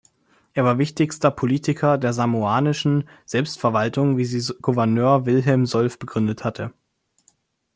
Er war wichtigster Politiker der samoanischen Selbstverwaltung, wie sie Gouverneur Wilhelm Solf begründet hatte.